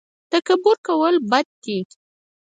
تکبر کول بد دي